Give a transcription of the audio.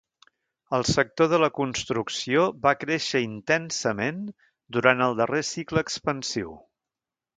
El sector de la construcció va créixer intensament durant el darrer cicle expansiu.